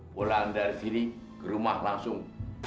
pulang dari sini ke rumah langsung